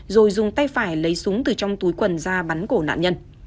rồi dùng tay phải lấy súng từ trong túi quần ra bắn cổ nạn nhân